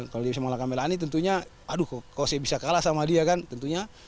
kalau dia bisa mengalahkan melani tentunya aduh kok saya bisa kalah sama dia kan tentunya